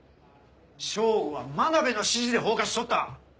省吾は真鍋の指示で放火しとった。